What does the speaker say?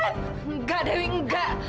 enggak dewi enggak